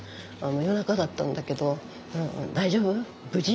夜中だったんだけど「大丈夫？無事？」